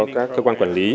các cơ quan quản lý